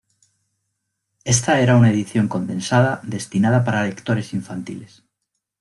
Esta era una edición condensada destinada para lectores infantiles.